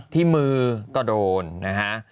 ที่มือก็โดนนะฮะ